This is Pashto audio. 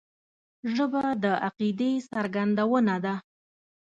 ژبه د عقیدې څرګندونه ده